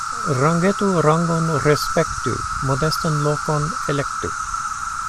Rangeto rangon respektu, modestan lokon elektu.